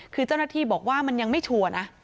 คือเจ้าหน้าที่บอกว่ามันยังไม่ชัวร์นะ